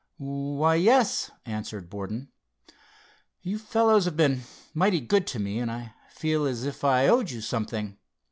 "Why, yes," answered Borden. "You fellows have been mighty good to me, and I feel as if I owed you something.